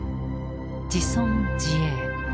「自存自衛」。